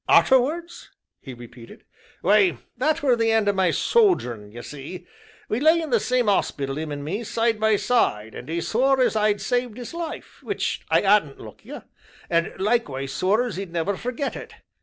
"Arterwards," he repeated. "Why, that were the end o' my sojerin', ye see; we lay in the same 'ospital 'im an' me, side by side, and he swore as I'd saved his life which I 'adn't, look you, and likewise swore as he'd never forget it.